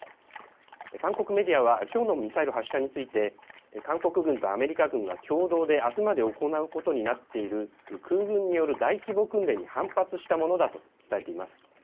韓国メディアはきょうのミサイル発射について、韓国軍とアメリカ軍が共同であすまで行うことになっている空軍による大規模訓練に反発したものだと伝えています。